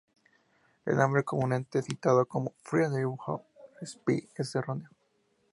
El nombre comúnmente citado como "Friedrich von Spee" es erróneo.